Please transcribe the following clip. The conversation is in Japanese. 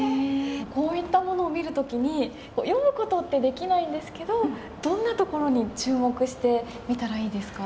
こういったものを見る時に読む事ってできないんですけどどんなところに注目して見たらいいですか？